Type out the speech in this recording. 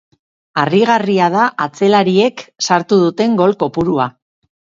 Harrigarria da atzelariek sartu duten gol kopurua.